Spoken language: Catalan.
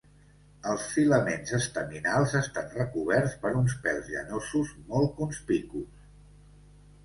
Els filaments estaminals estan recoberts per uns pèls llanosos molt conspicus.